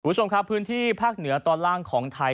คุณผู้ชมครับพื้นที่ภาคเหนือตอนล่างของไทย